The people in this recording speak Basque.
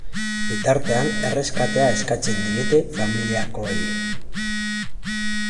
Bitartean, erreskatea eskatzen diete familiakoei.